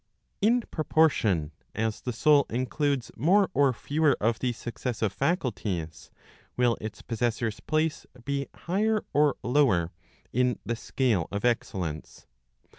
In proportion as the soul includes more or fewer of these successive faculties will its possessor's place be higher or lower in the scale of excellence.